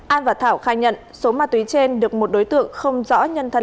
an và thảo khai nhận số ma túy trên được một đối tượng không rõ nhân thân